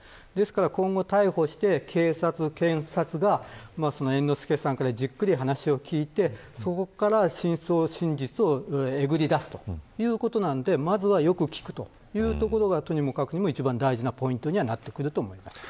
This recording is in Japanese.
今後、逮捕して警察、検察が猿之助さんからじっくり話を聞きそこから真相、真実をえぐり出すということなんでまずはよく聞くというところがとにもかくにも一番大事なポイントだと思います。